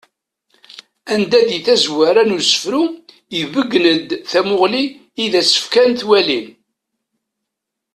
Anda di tazwara n usefru ibeggen-d tamuɣli i d as-fkan twalin.